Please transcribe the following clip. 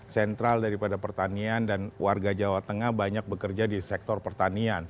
sentral daripada pertanian dan warga jawa tengah banyak bekerja di sektor pertanian